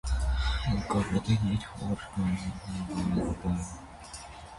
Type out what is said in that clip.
Լյուդովիկոսն իր հոր կենդանության օրոք երբեք չի ըմբոստացել վերջինիս իշխանության դեմ։